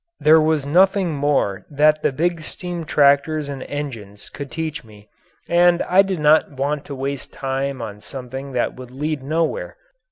There was nothing more that the big steam tractors and engines could teach me and I did not want to waste time on something that would lead nowhere.